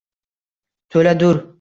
to’la dur.